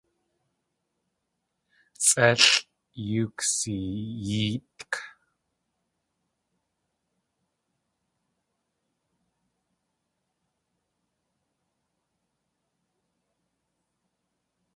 Sʼélʼ yoo ksiyéetk.